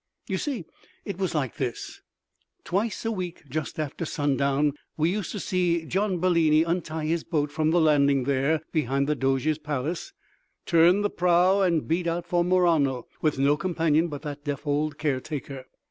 You see it was like this: Twice a week just after sundown, we used to see Gian Bellini untie his boat from the landing there behind the Doge's palace, turn the prow, and beat out for Murano, with no companion but that deaf old caretaker.